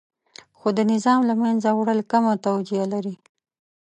خو د نظام له منځه وړل کمه توجیه لري.